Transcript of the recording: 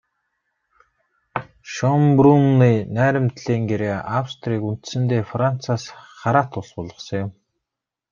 Шёнбрунны найрамдлын гэрээ Австрийг үндсэндээ Францаас хараат улс болгосон юм.